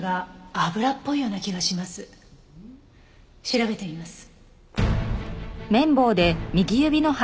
調べてみます。